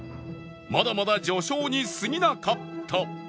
まだまだ序章にすぎなかった